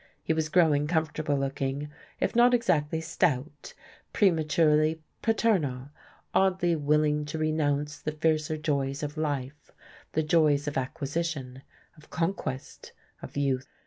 He was growing comfortable looking, if not exactly stout; prematurely paternal, oddly willing to renounce the fiercer joys of life, the joys of acquisition, of conquest, of youth.